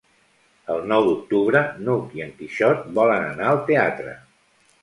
El nou d'octubre n'Hug i en Quixot volen anar al teatre.